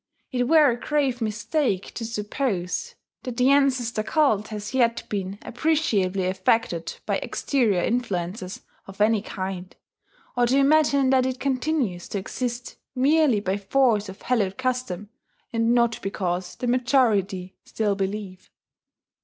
It were a grave mistake to suppose that the ancestor cult has yet been appreciably affected by exterior influences of any kind, or to imagine that it continues to exist merely by force of hallowed custom, and not because the majority still believe.